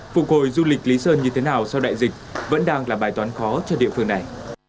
phục hồi du lịch lý sơn như thế nào sau đại dịch vẫn đang là bài toán khó cho địa phương này